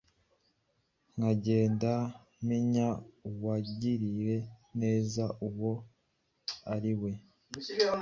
nkagenda menye uwangiriye neza uwo ariwe;